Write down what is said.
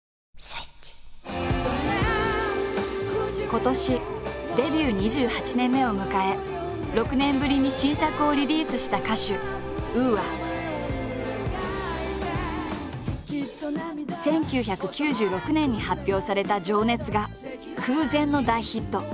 今年デビュー２８年目を迎え６年ぶりに新作をリリースした１９９６年に発表された「情熱」が空前の大ヒット。